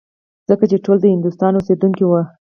ځکه چې ټول د هندوستان اوسېدونکي وو.